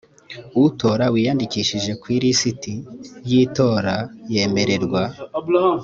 utora wiyandikishije ku ilisiti y itora yemererwa